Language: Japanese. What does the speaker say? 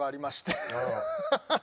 ハハハハ！